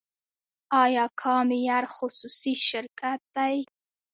آیا کام ایر خصوصي شرکت دی؟